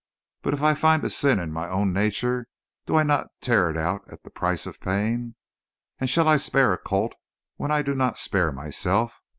But if I find a sin in my own nature, do I not tear it out at a price of pain? And shall I spare a colt when I do not spare myself?